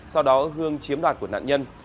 sau đó hương chiếm đoạt của nạn nhân